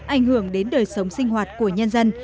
ảnh hưởng đến đời sống sinh hoạt của nhân dân